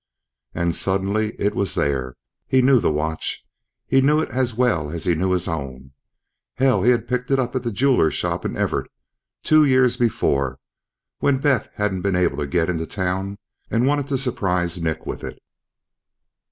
And suddenly, it was there! He knew the watch. He knew it as well as he knew his own. Hell, he had picked it up at the jeweler's shop in Everett, two years before, when Beth hadn't been able to get into town and wanted to surprise Nick with it!